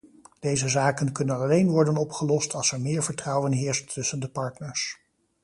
Deze zaken kunnen alleen worden opgelost als er meer vertrouwen heerst tussen de partners.